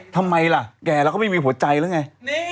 ทำไมล่ะแก่แล้วก็ไม่มีหัวใจแล้วไง